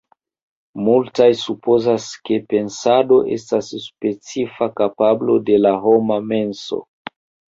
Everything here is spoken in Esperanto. Multaj supozas, ke pensado estas specifa kapablo de la homa menso.